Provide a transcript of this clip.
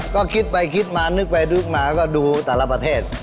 ก็คิดไปคิดมานึกไปนึกมาก็ดูแต่ละประเทศ